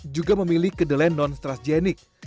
juga memilih kedelai non stresgenik